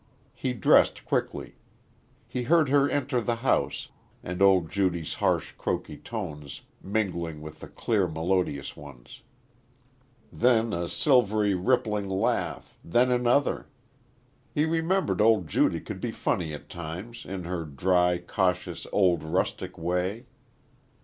He dressed quickly. He heard her enter the house, and old Judy's harsh croaky tones mingling with the clear melodious ones. Then a silvery rippling laugh, then another. He remembered old Judy could be funny at times in her dry, cautious old rustic way.